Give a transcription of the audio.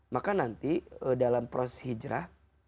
maka nanti dalam proses hijrah